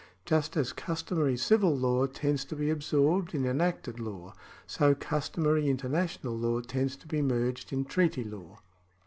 Just as customary civil law tends to be absorbed in enacted law, so customary international law tends to be merged in treaty law.